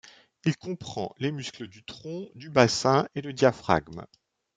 Il comprend les muscles du tronc, du bassin et le diaphragme.